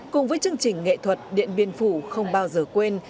cùng với chương trình nghệ thuật điện biên phủ không bao giờ quên